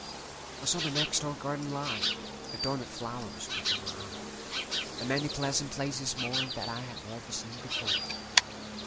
I saw the next door garden lie, Adorned with flowers, before my eye, And many pleasant places moreThat I had never seen before.